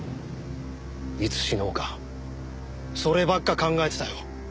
いつ死のうかそればっか考えてたよ。